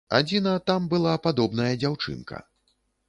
Адзіна, там была падобная дзяўчынка.